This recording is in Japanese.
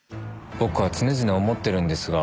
「僕は常々思ってるんですが」